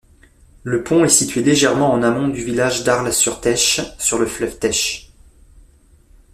Le pont est situé légèrement en amont du village d'Arles-sur-Tech, sur le fleuve Tech.